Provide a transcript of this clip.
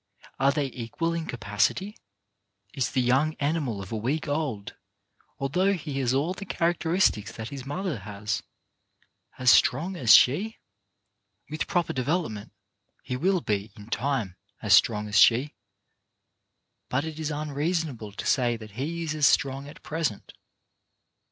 Are they equal in capacity ? Is the young animal of a week old, although he has all the character istics that his mother has, as strong as she ? With proper development he will be, in time, as strong as she, but it is unreasonable to say that he is as strong at present.